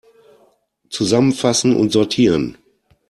Zusammenfassen und sortieren!